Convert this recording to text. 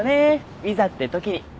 いざってときに。